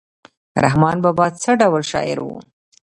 رحمان بابا څه ډول شاعر و؟